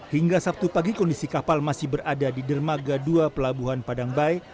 hingga sabtu pagi kondisi kapal masih berada di dermaga dua pelabuhan padangbai